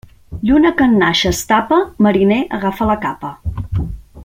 Lluna que en nàixer es tapa, mariner agafa la capa.